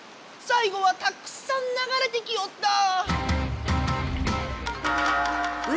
さい後はたくさんながれてきおった！